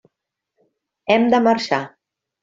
Hem de marxar.